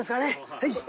はい。